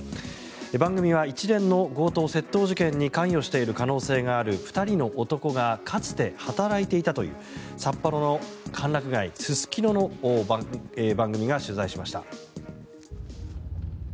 番組は一連の強盗・窃盗事件に関与している可能性がある２人の男がかつて働いていたという札幌の歓楽街、すすきのを番組が取材しました。